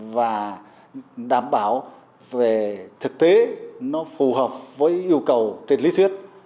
và đảm bảo về thực tế nó phù hợp với yêu cầu trên lý thuyết